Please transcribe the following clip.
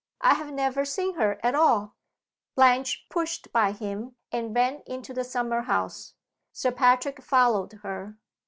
I have never seen her at all." Blanche pushed by him, and ran into the summer house. Sir Patrick followed her.